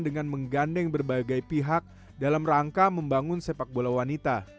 dengan menggandeng berbagai pihak dalam rangka membangun sepak bola wanita